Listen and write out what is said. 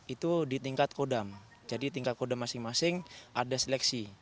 itu di tingkat kodam jadi tingkat kodam masing masing ada seleksi